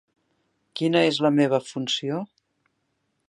Quina és la meva funció?